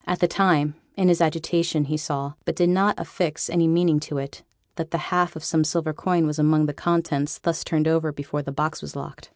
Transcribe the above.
At the time, in his agitation, he saw, but did not affix any meaning to it, that the half of some silver coin was among the contents thus turned over before the box was locked.